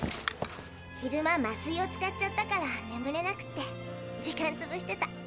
昼間麻酔を使っちゃったからねむれなくて時間つぶしてた。